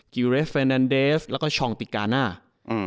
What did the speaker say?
กิเรสเฟนันเดสแล้วก็ชองติกาน่าอืม